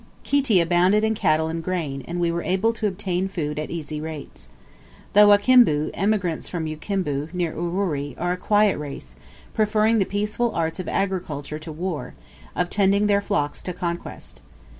Kiti abounded in cattle and grain, and we were able to obtain food at easy rates. The Wakimbu, emigrants from Ukimbu, near Urori, are a quiet race, preferring the peaceful arts of agriculture to war; of tending their flocks to conquest.